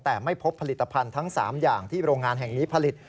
แต่ไม่พบผลิตภัณฑ์ทั้ง๓อย่างที่โรงงานแห่งนี้ผลิต